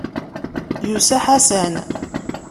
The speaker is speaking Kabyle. Yusa Ḥasan.